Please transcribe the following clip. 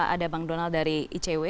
ada bang donald dari icw